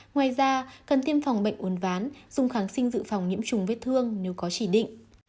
ngoài ra cần tiêm phòng bệnh uốn ván dùng kháng sinh dự phòng nhiễm trùng vết thương nếu có chỉ định